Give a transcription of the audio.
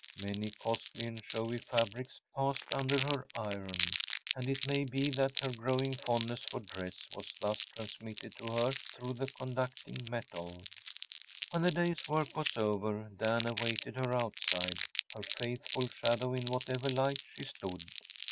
Many costly and showy fabrics passed under her iron; and it may be that her growing fondness for dress was thus transmitted to her through the conducting metal. When the day’s work was over Dan awaited her outside, her faithful shadow in whatever light she stood.